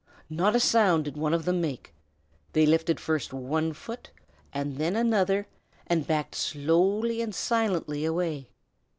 Not a sound did one of them make. They lifted first one foot and then another and backed slowly and silently away.